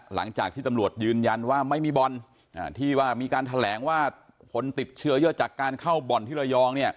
หลังจากที่ตำรวจยืนยันว่าไม่มีบ่อนที่ว่ามีการแถลงว่าคนติดเชื้อเยอะจากการเข้าบ่อนที่ระยอง